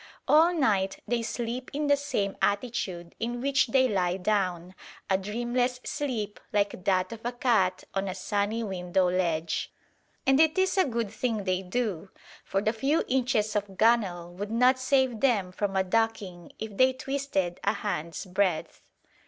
All night they sleep in the same attitude in which they lie down, a dreamless sleep like that of a cat on a sunny window ledge. And it is a good thing they do, for the few inches of gunwale would not save them from a ducking if they twisted a hand's breadth.